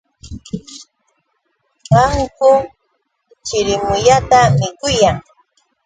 Qaqaku chirimuyata mikuyan.